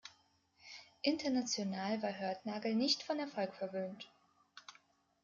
International war Hörtnagl nicht von Erfolg verwöhnt.